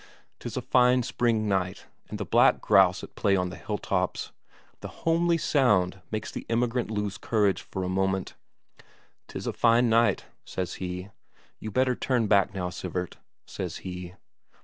'Tis a fine spring night, and the black grouse at play on the hilltops; the homely sound makes the emigrant lose courage for a moment. "'Tis a fine night," says he. "You better turn back now, Sivert," says he.